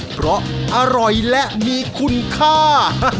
เพราะอร่อยและมีคุณค่า